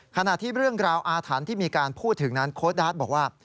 ขณะที่เรื่องราวอาถรรพ์ที่มีการพูดถึงนั้นโค้ดดาร์ดบอกว่า